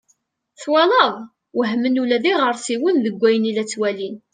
Twalaḍ! Wehmen ula d iɣersiwen deg wayen i la ttwalin.